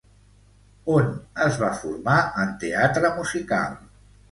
On es va formar en teatre musical?